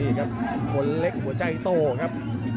นี่ครับคนเล็กหัวใจโตครับ